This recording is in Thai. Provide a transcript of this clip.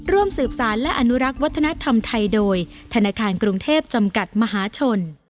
ร่วมสืบสารและอนุรักษ์วัฒนธรรมไทยโดยธนาคารกรุงเทพจำกัดมหาชน